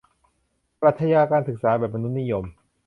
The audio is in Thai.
ปรัชญาการศึกษาแบบมนุษยนิยม